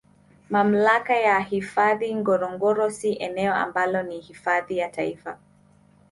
Mamlaka ya hifadhi Ngorongoro si eneo ambalo ni hifadhi ya Taifa